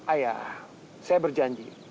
ayah saya berjanji